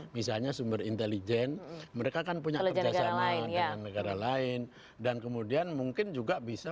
misalnya sumber intelijen mereka kan punya kerjasama dengan negara lain dan kemudian mungkin juga bisa